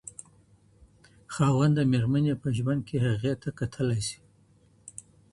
خاوند د ميرمني په ژوند کي هغې ته کتلای سي.